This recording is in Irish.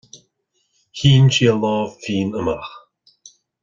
Shín sí a lámh mhín amach.